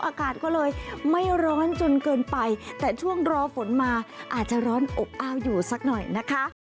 อากาศก็เลยไม่ร้อนจนเกินไปแต่ช่วงรอฝนมาอาจจะร้อนอบอ้าวอยู่สักหน่อยนะคะ